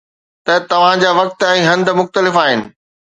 ته توهان جا وقت ۽ هنڌ مختلف آهن